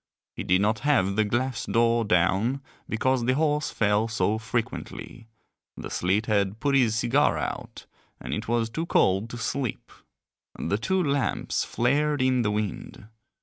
He did not have the glass door down because the horse fell so frequently, the sleet had put his cigar out and it was too cold to sleep; the two lamps flared in the wind.